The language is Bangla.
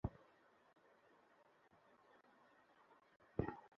কিশোর লুমুম্বা গ্রামের পুরোনো আমলের লোকদের কাছে শোনেন লিওপোল্ডের আমলের নিষ্ঠুরতার কাহিনি।